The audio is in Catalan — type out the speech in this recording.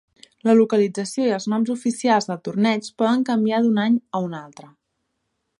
La localització i els noms oficials del torneig poden canviar d'un any a un altre.